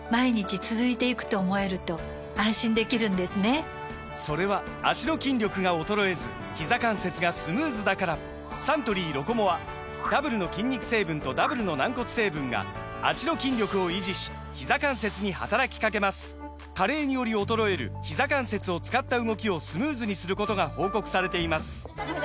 サントリー「ロコモア」・それは脚の筋力が衰えずひざ関節がスムーズだからサントリー「ロコモア」ダブルの筋肉成分とダブルの軟骨成分が脚の筋力を維持しひざ関節に働きかけます加齢により衰えるひざ関節を使った動きをスムーズにすることが報告されています